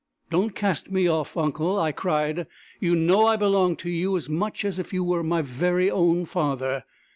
"Don't cast me off, uncle!" I cried. "You know I belong to you as much as if you were my very own father!